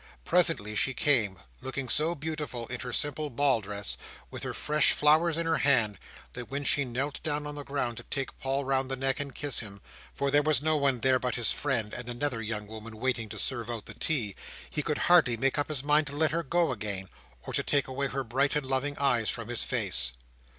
Presently she came: looking so beautiful in her simple ball dress, with her fresh flowers in her hand, that when she knelt down on the ground to take Paul round the neck and kiss him (for there was no one there, but his friend and another young woman waiting to serve out the tea), he could hardly make up his mind to let her go again, or to take away her bright and loving eyes from his face.